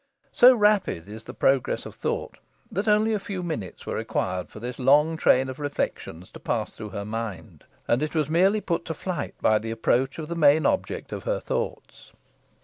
So rapid is the progress of thought, that only a few minutes were required for this long train of reflections to pass through her mind, and it was merely put to flight by the approach of the main object of her thoughts.